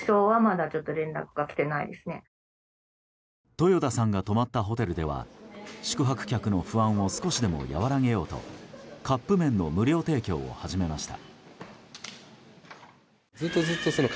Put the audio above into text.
豊田さんが泊まったホテルでは宿泊客の不安を少しでも和らげようとカップ麺の無料提供を始めました。